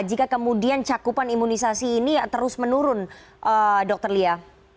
jika kemudian cakupan imunisasi ini terus menurun dr lia